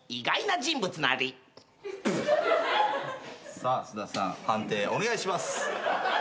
さあ菅田さん判定お願いします。